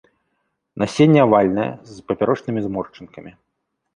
Насенне авальнае, з папярочнымі зморшчынкамі.